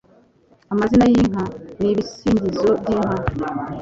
Amazina y'inka: Ni ibisingizo by'inka